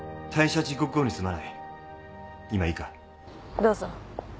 どうぞ。